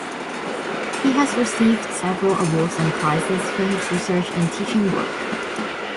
He has received several awards and prizes for his research and teaching work.